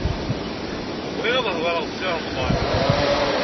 Bɣiɣ ad hedṛeɣ d Si Remḍan.